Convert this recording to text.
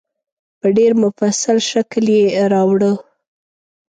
په ډېر مفصل شکل یې راوړه.